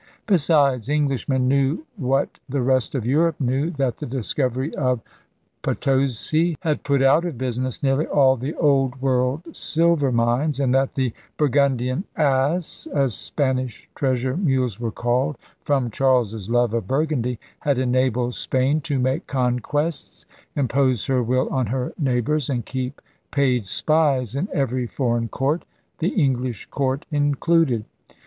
Besides, Englishmen knew what the rest of Europe knew, that the discovery of HAWKINS AND THE FIGHTING TRADERS 73 Potosi had put out of business nearly all the Old World silver mines, and that the Burgundian Ass (as Spanish treasure mules were called, from Charles's love of Burgundy) had enabled Spain to make conquests, impose her will on her neigh bors, and keep paid spies in every foreign court, the English court included.